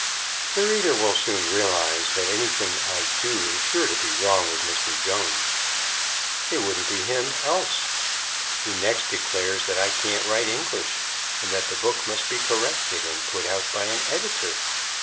The reader will soon realize that anything I do is sure to be wrong with Mr. Jones. It wouldn't be him else. He next declares that I can't write English, and that the book must be corrected, and put out by an editor?